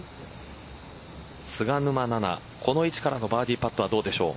菅沼菜々、この位置からのバーディーパットはどうでしょう。